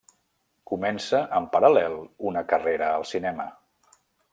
Comença en paral·lel una carrera al cinema.